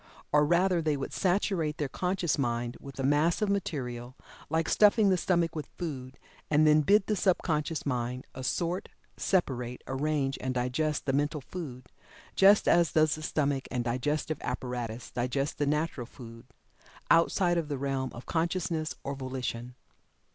Or rather, they would saturate their conscious mind with a mass of material, like stuffing the stomach with food, and then bid the subconscious mind assort, separate, arrange and digest the mental food, just as does the stomach and digestive apparatus digest the natural food outside of the realm of consciousness or volition.